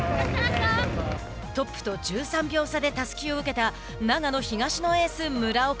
トップと１３秒差でたすきを受けた長野東のエース、村岡。